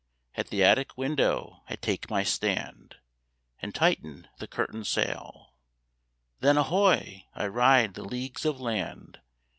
At the attic window I take my stand. And tighten the curtain sail, Then, ahoy! I ride the leagues of land.